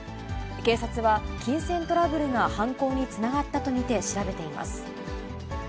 警察は、金銭トラブルが犯行につながったと見て調べています。